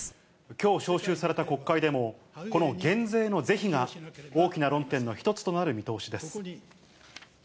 きょう召集された国会でも、この減税の是非が大きな論点の一つとなる見通しです。